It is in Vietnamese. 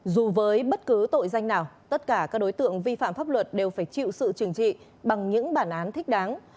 dù với bất cứ tội danh nào tất cả các đối tượng vi phạm pháp luật đều phải chịu sự trừng trị bằng những bản án thích đáng